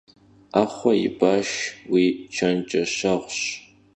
'exhue yi başş yi çenceşeğuş.